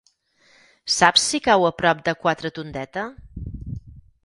Saps si cau a prop de Quatretondeta?